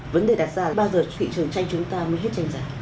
vấn đề đặt ra là bao giờ thị trường tranh chúng ta mới hết tranh giả